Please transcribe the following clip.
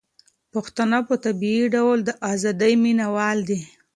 پښتانه په طبيعي ډول د ازادۍ مينه وال دي.